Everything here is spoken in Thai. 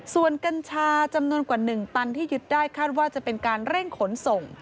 ส่วนกัญชาจำนวนกว่า๑ตันที่ยึดได้คาดว่าจะเป็นการเร่งขนส่ง